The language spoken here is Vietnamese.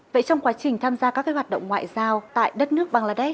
vậy trong quá trình tham gia các hoạt động ngoại giao tại đất nước bangladesh